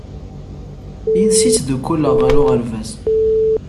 Yid-s i ttdukkuleɣ ɣer uɣerbaz.